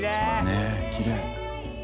ねっきれい。